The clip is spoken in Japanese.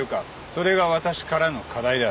それが私からの課題だ。